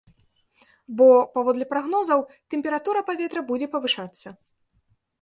Бо, паводле прагнозаў, тэмпература паветра будзе павышацца.